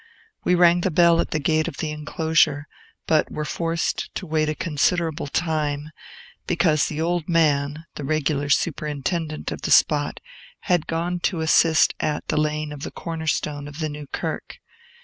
We rang the bell at the gate of the enclosure, but were forced to wait a considerable time; because the old man, the regular superintendent of the spot, had gone to assist at the laying of the corner stone of a new kirk.